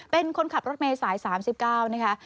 เป็นคนขับรถเมย์สาย๓๙นะคะ